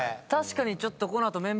確かにちょっと。